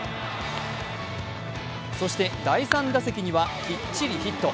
そして第３打席にはきっちりヒット